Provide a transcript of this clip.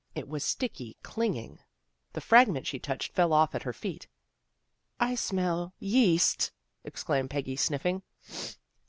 It was sticky, clinging. The fragment she touched fell off at her feet. " I smell yeast," exclaimed Peggy snif fing.